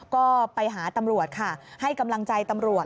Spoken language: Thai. ก็ไปหาตำรวจค่ะให้กำลังใจตำรวจ